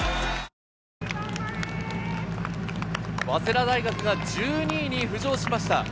早稲田大学が１２位に浮上しました。